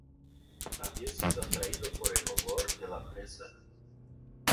Había sido atraído por el olor de la presa.